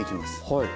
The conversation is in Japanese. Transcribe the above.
はい。